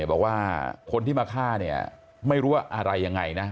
บอกว่าคนที่มาฆ่าเนี่ยไม่รู้ว่าอะไรยังไงนะ